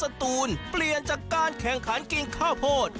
ตูนเปลี่ยนจากการแข่งขันกินข้าวโพด